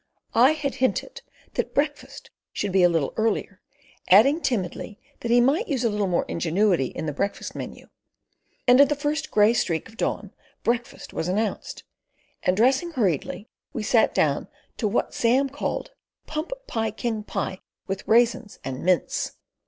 I had hinted that breakfast should be a little earlier, adding timidly that he might use a little more ingenuity in the breakfast menu, and at the first grey streak of dawn breakfast was announced, and, dressing hurriedly, we sat down to what Sam called "Pump pie King pie with raisins and mince."